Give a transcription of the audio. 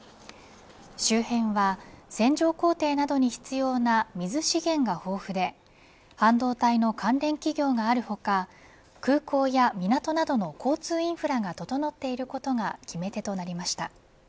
周辺は、洗浄工程などに必要な水資源が豊富で半導体の関連企業がある他空港や港などの交通インフラが整っていることが決め手となりました。